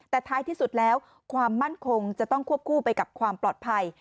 แต่ท้ายที่สุดแล้วความมั่นคงจะต้องควบคู่ไปกับความปลอดภัย